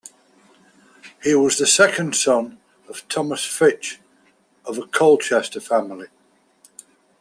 He was the second son of Thomas Fitch, of a Colchester family.